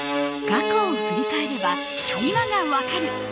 過去を振り返れば今が分かる！